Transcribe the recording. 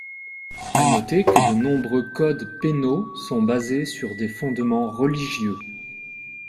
À noter que de nombreux codes pénaux sont basés sur des fondements religieux.